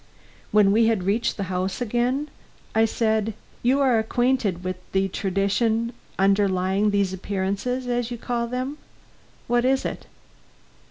When we had reached the house again, I said: "You are acquainted with the tradition underlying these appearances, as you call them. What is it?"